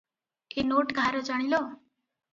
"ଏ note କାହାର ଜାଣିଲ?"